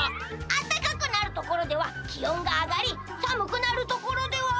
「あったかくなるところでは気温が上がり寒くなるところでは」。